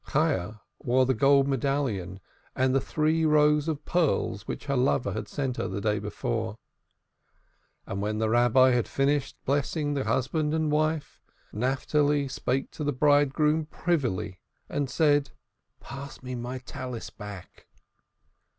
Chayah wore the gold medallion and the three rows of pearls which her lover had sent her the day before. And when the Rabbi had finished blessing husband and wife, Naphtali spake the bridegroom privily, and said: "Pass me my Talith back."